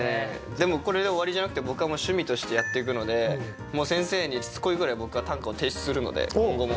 でもこれで終わりじゃなくて僕はもう趣味としてやっていくのでもう先生にしつこいぐらい僕は短歌を提出するので今後も。